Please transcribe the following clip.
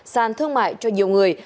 sàn thương mại cho nhiều người